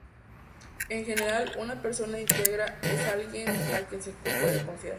En general, una persona íntegra es alguien en quien se puede confiar.